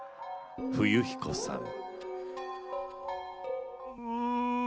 冬彦さん。